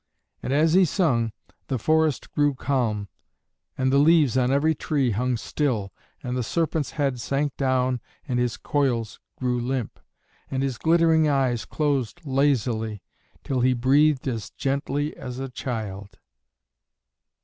And as he sung, the forest grew calm, and the leaves on every tree hung still, and the serpent's head sank down and his coils grew limp, and his glittering eyes closed lazily, till he breathed as gently as a child.